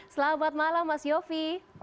selamat malam mas yofi